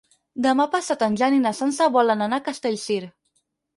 Demà passat en Jan i na Sança volen anar a Castellcir.